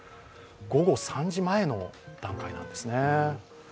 午後３時前の段階なんですね。